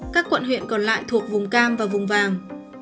các quận huyện còn lại thuộc vùng cam và vùng vàng